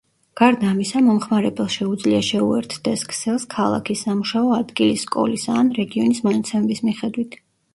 გარდა ამისა, მომხმარებელს შეუძლია შეუერთდეს ქსელს ქალაქის, სამუშაო ადგილის, სკოლისა ან რეგიონის მონაცემების მიხედვით.